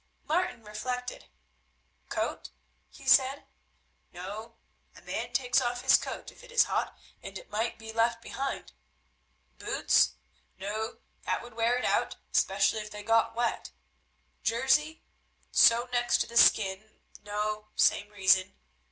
Martin reflected. "Coat?" he said, "no, a man takes off his coat if it is hot, and it might be left behind. Boots?—no, that would wear it out, especially if they got wet. Jersey?—sewn next the skin, no, same reason.